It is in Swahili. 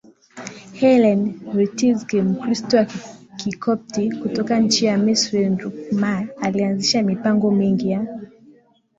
Helen Ritzk Mkristo wa Kikopti kutoka nchi ya MisriNkrumah alianzisha mipango mingi ya